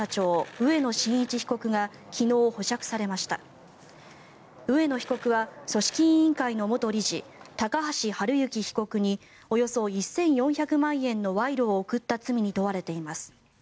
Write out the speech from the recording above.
植野被告は組織委員会の元理事高橋治之被告におよそ１４００万円の賄賂を贈った罪に問われています。